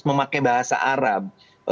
memakai bahasa arab